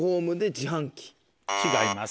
違います。